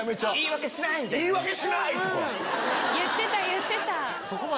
言ってた言ってた。